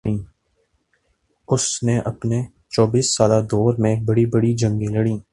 اس نے اپنے چوبیس سالہ دور میں بڑی بڑی جنگیں لڑیں